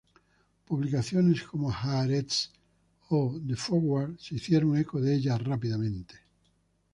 Publicaciones como "Haaretz" o "The Forward" se hicieron eco de ella rápidamente.